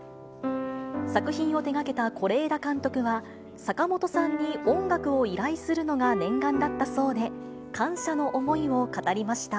作品を手がけた是枝監督は、坂本さんに音楽を依頼するのが念願だったそうで、感謝の思いを語りました。